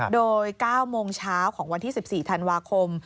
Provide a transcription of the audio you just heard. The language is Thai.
โดย๙โมงเช้าของวันที่๑๔ธันวาคม